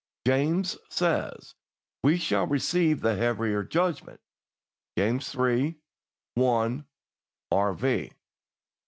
James says: "We shall receive the heavier judgment" (James iii. i, R.V.).